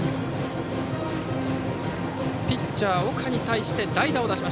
ピッチャー、岡に対して代打。